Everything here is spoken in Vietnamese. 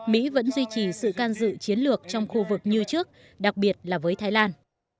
mỹ vẫn duy trì sự can dự chiến lược trong khu vực như trước đặc biệt là với thái lan